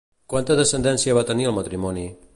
Quanta descendència va tenir el matrimoni?